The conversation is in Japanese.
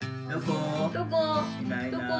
どこ？